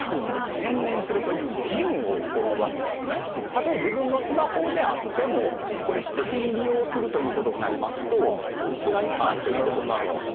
たとえ自分のスマホであっても私的に利用するということになりますとコンプラ違反ということになります。